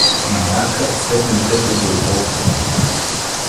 На Марка светна лицето от задоволство.